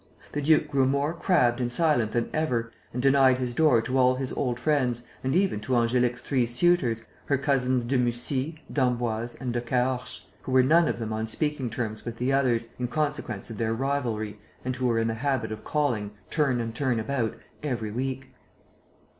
The duke grew more crabbed and silent than ever and denied his door to all his old friends and even to Angélique's three suitors, her Cousins de Mussy, d'Emboise and de Caorches, who were none of them on speaking terms with the others, in consequence of their rivalry, and who were in the habit of calling, turn and turn about, every week.